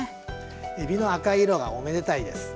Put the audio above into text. えびの赤い色がおめでたいです。